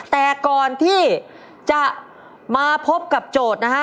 แต่ก่อนที่จะมาพบกับโจทย์นะฮะ